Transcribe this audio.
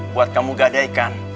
buat kamu gadaikan